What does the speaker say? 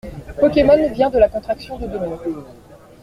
Pokemon vient de la contraction de deux mots.